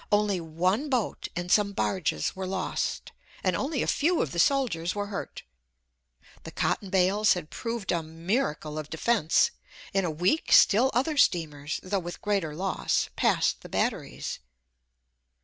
Only one boat and some barges were lost, and only a few of the soldiers were hurt. The cotton bales had proved a miracle of defense. In a week still other steamers, though with greater loss, passed the batteries.